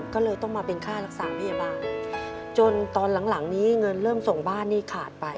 ก็เลยต้องมาเป็นค่ารักษาพยาบาลจนตอนหลังนี้เงินเริ่มส่งบ้านนี่ขาดไป